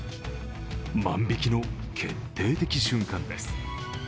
万引きの決定的瞬間です。